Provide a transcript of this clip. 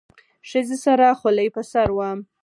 ښځې سره خولۍ په سر وه.